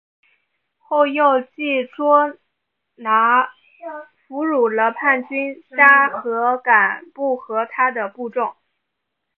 后又用计捉拿俘虏了叛将札合敢不和他的部众。